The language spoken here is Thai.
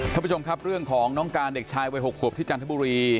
ท่านผู้ชมครับเรื่องของน้องการเด็กชายวัย๖ขวบที่จันทบุรี